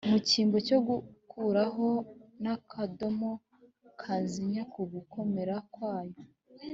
mu cyimbo cyo gukuraho n’akadomo kanzinya ku gukomera kwayo,